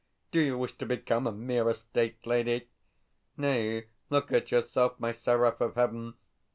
Do you wish to become a mere estate lady? Nay; look at yourself, my seraph of heaven.